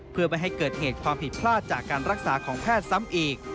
เพื่อไม่ให้เกิดเหตุความผิดพลาดจากการรักษาของแพทย์ซ้ำอีก